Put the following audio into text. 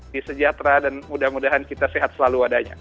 di sejahtera dan mudah mudahan kita sehat selalu adanya